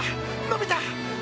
伸びた！